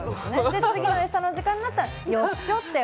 次の餌の時間になったら、よいしょって。